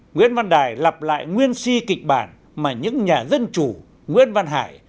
nguyễn văn đài lặp lại nguyên si kịch bản mà những nhà dân chủ nguyễn văn hải